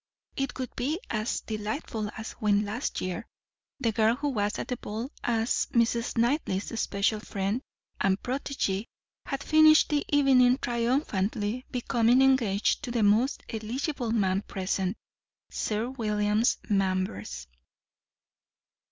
It would be as delightful as when last year, the girl who was at the ball as Mrs. Knightley's special friend and protégée had finished the evening triumphantly becoming engaged to the most eligible man present, Sir William Manvers.